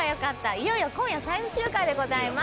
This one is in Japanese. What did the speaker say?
いよいよ今夜最終回でございます。